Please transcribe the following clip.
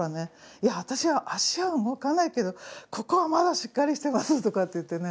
「いや私は足は動かないけどここはまだしっかりしてます」とかって言ってね